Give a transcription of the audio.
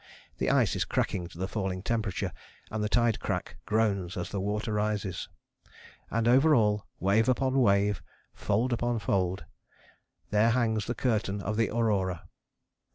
The ice is cracking to the falling temperature and the tide crack groans as the water rises. And over all, wave upon wave, fold upon fold, there hangs the curtain of the aurora.